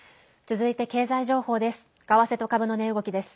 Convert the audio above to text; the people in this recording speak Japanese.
続いて経済情報です。